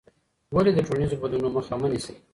ولې د ټولنیزو بدلونونو مخه مه نیسې؟